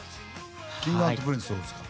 Ｋｉｎｇ＆Ｐｒｉｎｃｅどうですか？